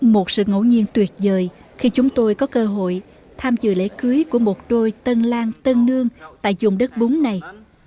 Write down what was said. một sự ngẫu nhiên tuyệt vời khi chúng tôi có cơ hội tham dự lễ cưới của một đôi tân lan tân nương tại dùng đất bún này